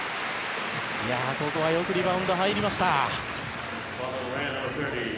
ここは、よくリバウンド入りました。